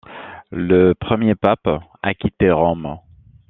Le premier pape à quitter Rome.